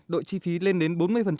đội chi phí lên đến bốn mươi